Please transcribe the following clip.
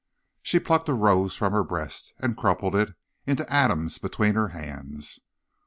"She plucked a rose from her breast and crumpled it to atoms between her hands.